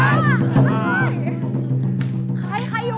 โอ้โฮ